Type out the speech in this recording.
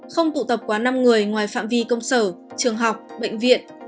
không tụ tập quá năm người ngoài phạm vi công sở trường học bệnh viện